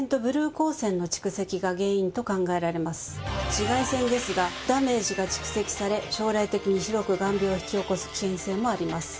紫外線ですがダメージが蓄積され将来的に広く眼病を引き起こす危険性もあります。